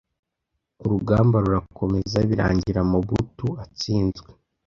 urugamba rurakomerza birangira mobutu atsinzwe